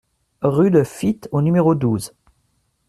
Rue de Fitte au numéro douze